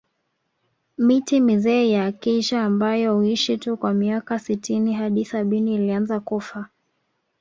Miti mizee ya Acacia ambayo huishi tu miaka sitini hadi sabini ilianza kufa